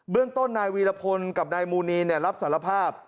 เรื่องต้นนายวีรพลกับนายมูนีรับสารภาพ